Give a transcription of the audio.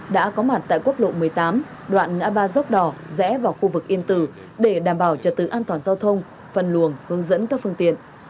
đã có mặt tại quốc lộ một mươi tám đoạn ngã ba dốc đỏ rẽ vào khu vực yên tử để đảm bảo trật tự an toàn giao thông phân luồng hướng dẫn các phương tiện